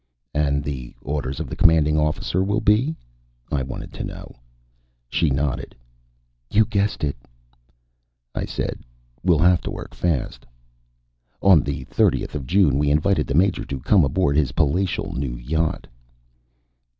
"And the orders of the Commanding Officer will be " I wanted to know. She nodded. "You guessed it." I said: "We'll have to work fast." On the thirtieth of June, we invited the Major to come aboard his palatial new yacht.